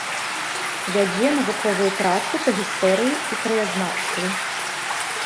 Вядзе навуковую працу па гісторыі і краязнаўстве.